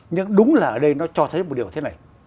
nhưng đúng là ở đây nó cho thấy một điều thế này